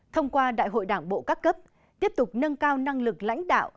thông qua đại hội đảng bộ các cấp tiếp tục nâng cao năng lực lãnh đạo